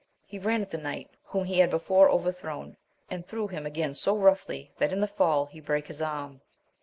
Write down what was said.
He ran at the knight whom he had before overthrown, and threw him again so roughly that in the fall he brake his anu.